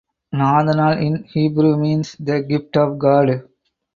Nathanael in Hebrew means the gift of God.